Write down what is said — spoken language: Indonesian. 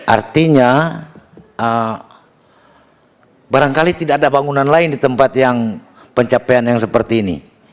artinya barangkali tidak ada bangunan lain di tempat yang pencapaian yang seperti ini